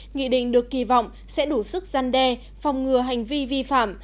nghị định được kỳ vọng sẽ đủ sức gian đe phòng ngừa hành vi vi phạm